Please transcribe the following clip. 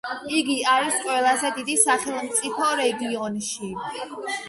იგი არის ყველაზე დიდი სახელმწიფო რეგიონში.